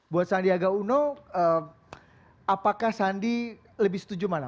buat sandiaga uno apakah sandi lebih setuju mana